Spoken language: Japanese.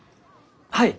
はい！